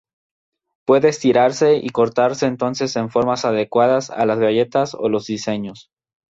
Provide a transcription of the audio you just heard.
Puede estirarse y cortarse entonces en formas adecuadas a las galletas o los diseños.